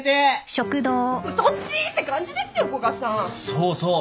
そうそう。